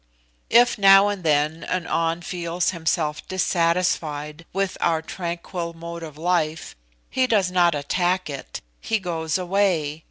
If now and then an An feels himself dissatisfied with our tranquil mode of life, he does not attack it; he goes away.